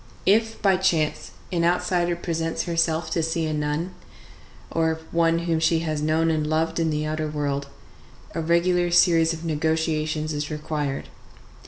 If, by chance, an outsider presents herself to see a nun, or one whom she has known and loved in the outer world, a regular series of negotiations is required.